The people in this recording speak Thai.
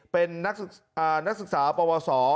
เป็นนักศึกษาปวส